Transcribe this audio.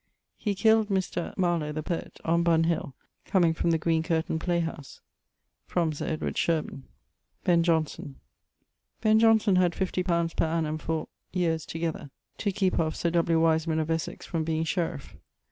He killed Mr. ... Marlow, the poet, on Bunhill, comeing from the Green Curtain play house. From Sir Edward Shirburn. Ben Johnson: Ben Jonson had 50 li. per annum for ... yeares together to keepe off Sir W. Wiseman of Essex from being sheriff.